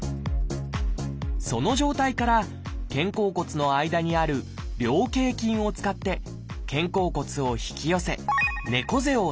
その状態から肩甲骨の間にある菱形筋を使って肩甲骨を引き寄せ猫背を直します。